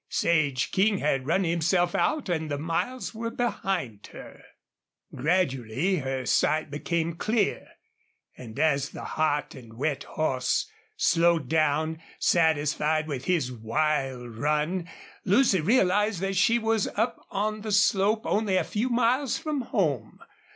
Sage King had run himself out and the miles were behind her. Gradually her sight became clear, and as the hot and wet horse slowed down, satisfied with his wild run, Lucy realized that she was up on the slope only a few miles from home.